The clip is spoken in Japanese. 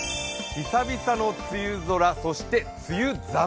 久々の梅雨空、そして梅雨寒。